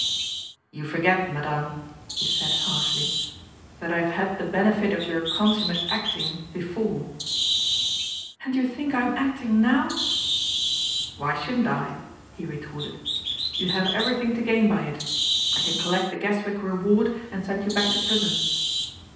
"You forget, Madame," he said harshly, "that I have had the benefit of your consummate acting before." "And you think I am acting now?" "Why shouldn't I?" he retorted, "you have everything to gain by it. I can collect the Guestwick reward, and send you back to prison."